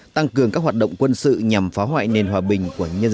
tăng cường các hoạt động quân sự nhằm phá hoại nền hòa bình